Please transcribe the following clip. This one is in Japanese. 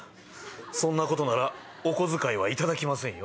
そんなことならお小遣いは頂きませんよ。